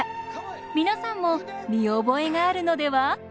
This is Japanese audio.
皆さんも見覚えがあるのでは？